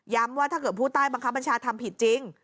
ว่าถ้าเกิดผู้ใต้บังคับบัญชาทำผิดจริง